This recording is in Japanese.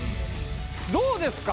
どうですか？